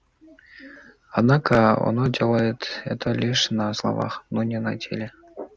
Однако оно делает это лишь на словах, но не на деле.